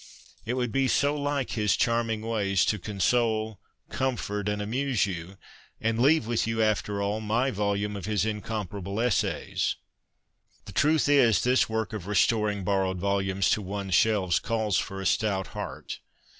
It would be so like his charming ways to console, comfort, and amuse you, and leave with you, after all, my volume of his incomparable essays. The truth is, this work of restoring borrowed volumes to one's shelves calls for a stout heart.